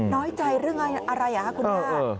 น้อยใจเรื่องอะไรคุณป้า